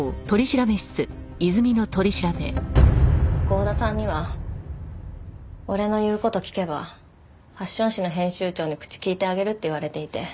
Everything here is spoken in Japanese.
郷田さんには俺の言う事聞けばファッション誌の編集長に口利いてあげるって言われていて。